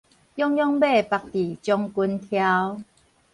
勇勇馬縛佇將軍柱